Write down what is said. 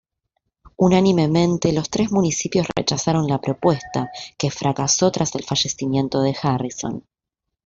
Unánimemente los tres municipios rechazaron la propuesta, que fracaso tras el fallecimiento de Harrison.